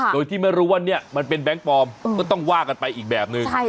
โดยที่ไม่รู้ว่าเนี่ยมันเป็นแบงค์ปลอมก็ต้องว่ากันไปอีกแบบนึง